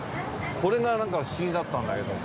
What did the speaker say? これがなんか不思議だったんだけどさ。